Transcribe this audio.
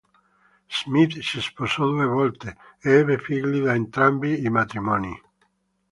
Smith si sposò due volte e ebbe figli da entrambi i matrimoni.